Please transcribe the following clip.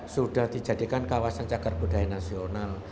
sudah dijadikan kawasan cagar budaya nasional